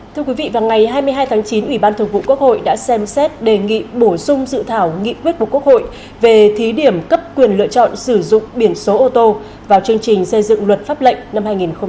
thưa quý vị vào ngày hai mươi hai tháng chín ủy ban thường vụ quốc hội đã xem xét đề nghị bổ sung dự thảo nghị quyết của quốc hội về thí điểm cấp quyền lựa chọn sử dụng biển số ô tô vào chương trình xây dựng luật pháp lệnh năm hai nghìn hai mươi